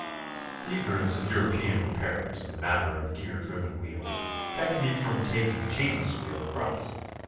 The ignorance of European repairers in the matter of gear driven wheels kept me from taking a chainless wheel across.